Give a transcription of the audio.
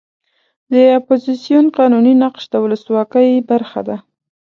د اپوزیسیون قانوني نقش د ولسواکۍ برخه ده.